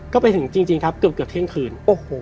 ก็ไปถึงจริงครับเกือบเที่ยงคืน